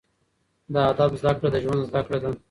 د ادب زده کړه، د ژوند زده کړه ده.